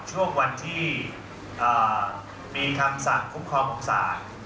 ช่วงวันที่มีคำสั่งคุ้มครองของศาล